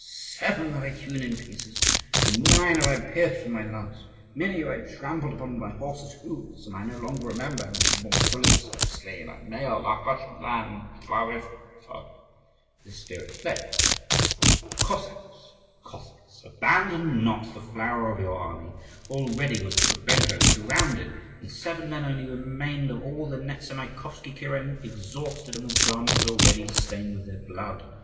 Seven have I hewn in pieces, nine have I pierced with my lance, many have I trampled upon with my horse's hoofs; and I no longer remember how many my bullets have slain. May our Russian land flourish forever!" and his spirit fled. Cossacks, Cossacks! abandon not the flower of your army. Already was Kukubenko surrounded, and seven men only remained of all the Nezamaikovsky kuren, exhausted and with garments already stained with their blood.